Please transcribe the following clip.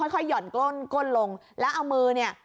ค่อยห่อนกล้นก้นลงแล้วเอามือเนี่ย